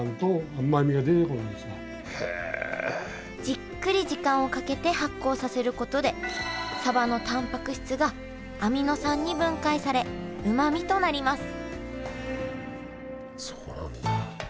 じっくり時間をかけて発酵させることでサバのたんぱく質がアミノ酸に分解されうまみとなります